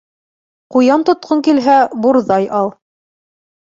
Ҡуян тотҡоң килһә, бурҙай ал.